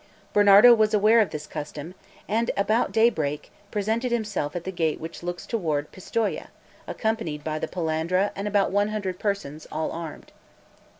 Bernardo was aware of this custom, and about daybreak, presented himself at the gate which looks toward Pistoia, accompanied by the Palandra and about one hundred persons, all armed.